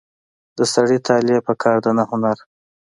د سړي طالع په کار ده نه هنر.